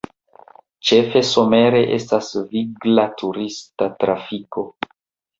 Ĉefe somere estas vigla turista trafiko.